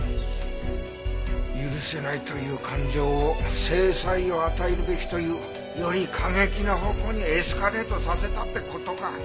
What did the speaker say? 「許せない」という感情を「制裁を与えるべき」というより過激な方向にエスカレートさせたって事か。